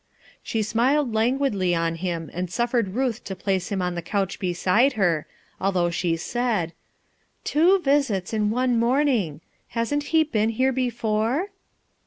She smiled languidly on him, and suffered Ruth to place him on the couch beside her. although she said :— "Two visits in one morning ! Hasn't he been here before?"